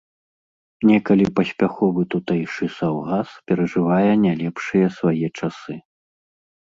Некалі паспяховы тутэйшы саўгас перажывае не лепшыя свае часы.